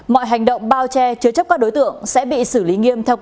mọi hành động bao che chứa chấp các đối tượng sẽ bị xử lý nghiêm